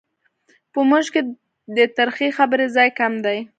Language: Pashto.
په موږ کې د ترخې خبرې ځای کم دی.